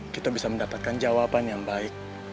kita bisa mendapatkan jawaban yang baik